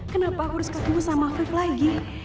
kenapa aku harus ketemu sama afif lagi